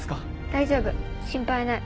大丈夫心配ない。